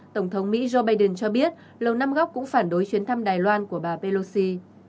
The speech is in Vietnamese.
tổng thống mỹ joe biden cho biết lầu năm góc cũng phản đối chuyến thăm đài loan của bà pelosi